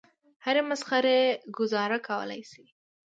هرې مسخرې ګوزاره کولای شي.